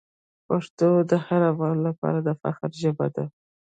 پښتو د هر افغان لپاره د فخر ژبه ده.